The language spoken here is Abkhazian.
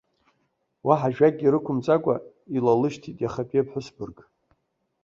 Уаҳа ажәакгьы рықәымҵакәа илалышьҭит иахатәи аԥҳәыс бырг.